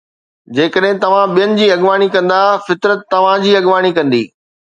جيڪڏھن توھان ٻين جي اڳواڻي ڪندا، فطرت توھان جي اڳواڻي ڪندي